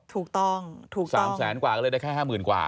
ถูกต้องถูก๓แสนกว่าก็เลยได้แค่๕๐๐๐กว่า